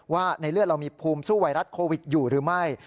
ว่าในเลือดเรามีภูมิสู้ไวรัสโควิดอยู่หรือไม่